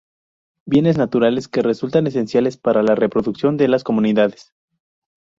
bienes naturales que resultan esenciales para la reproducción de las comunidades